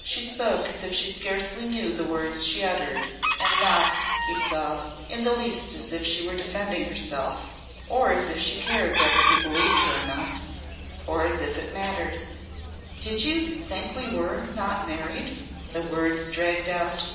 She spoke as if she scarcely knew the words she uttered, and not, he saw, in the least as if she were defending herself or as if she cared whether he believed her or not or as if it mattered. "Did you think we were not married?" the words dragged out.